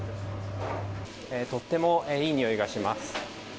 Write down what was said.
とってもいい匂いがします。